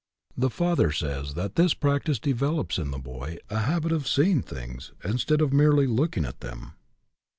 The father says that this practice develops in the boy a habit of seeing things, instead of merely look ing at them.